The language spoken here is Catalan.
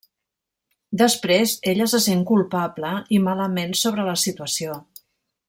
Després ella se sent culpable i malament sobre la situació.